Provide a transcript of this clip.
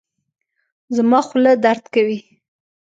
زما خوله درد کوي